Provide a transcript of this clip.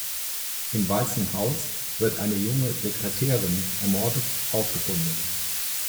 Im Weißen Haus wird eine junge Sekretärin ermordet aufgefunden.